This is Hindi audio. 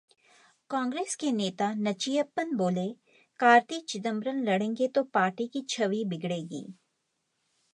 कांग्रेस के नेता नचियप्पन बोले- कार्ति चिदंबरम लड़ेंगे तो पार्टी की छवि बिगड़ेगी